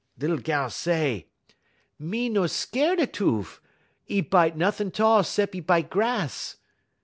Lil gal say: "'Me no skeer da toof. 'E bite nuttin' 'tall 'cep' 'e bite grass.'